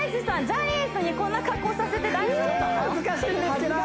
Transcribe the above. ジャニーズにこんな格好させて大丈夫なの？